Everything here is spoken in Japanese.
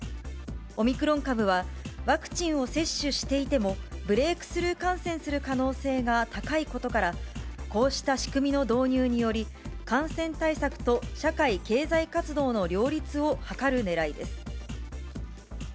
オミクロン株は、ワクチンを接種していても、ブレークスルー感染する可能性が高いことから、こうした仕組みの導入により、感染対策と社会経済活動の両立を図るねらいです。